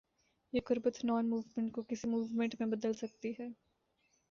یہ قربت non movement کو کسی موومنٹ میں بدل سکتی ہے۔